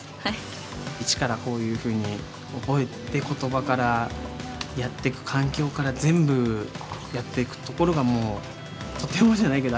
一からこういうふうに覚えて言葉からやってく環境から全部やっていくところがもうとてもじゃないけど頭が上がらない感じですね